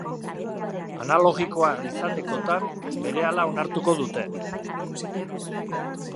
Analogikoa izatekotan, berehala onartuko dute.